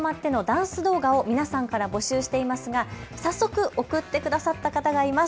とまって！のダンス動画を皆さんから募集していますが早速送ってくださった方がいます。